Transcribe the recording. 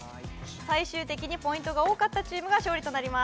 最終的にポイントが多かったチームが勝利となります